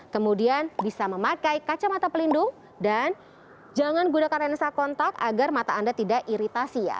kemudian bisa memakai kacamata pelindung dan jangan gunakan lensa kontak agar mata anda tidak iritasi ya